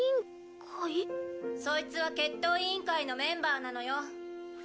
そいつは決闘委員会のメンバーなのよ。